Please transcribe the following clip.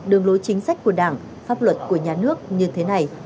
đường lối chính sách của đảng pháp luật của nhà nước như thế này